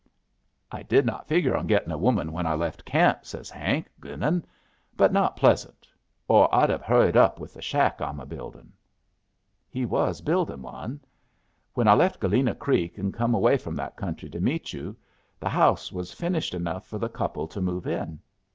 "'I did not figure on gettin' a woman when I left camp,' says Hank, grinnin', but not pleasant, 'or I'd have hurried up with the shack I'm a buildin'.' "He was buildin' one. When I left Galena Creek and come away from that country to meet you, the house was finished enough for the couple to move in.